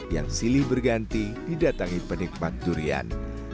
yang silih berganti didatangi penikmat durian